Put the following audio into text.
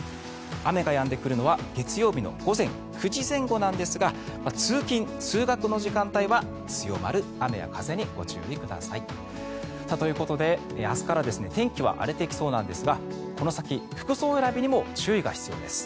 雨がやんでくるのは月曜日の午前９時前後なんですが通勤・通学の時間帯は強まる雨や風にご注意ください。ということで明日から天気は荒れてきそうなんですがこの先、服装選びにも注意が必要です。